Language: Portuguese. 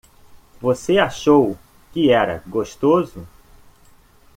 Você achou que era gostoso?